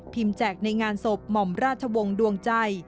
แจกในงานศพหม่อมราชวงศ์ดวงใจ